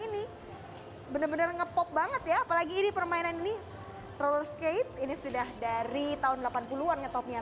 ini bener bener ngepop banget ya apalagi ini permainan ini roller skate ini sudah dari tahun delapan puluh an nge topnya